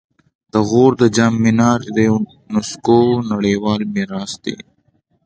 د غور د جام منار د یونسکو نړیوال میراث دی